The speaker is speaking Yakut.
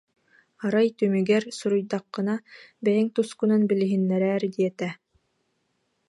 Арай түмүгэр, суруйдаххына, бэйэҥ тускунан билиһиннэрээр диэтэ